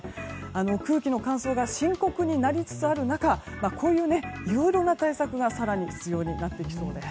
空気の乾燥が深刻になりつつある中こういういろいろな対策が更に必要になってきそうです。